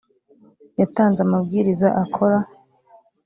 yatanze amabwiriza akora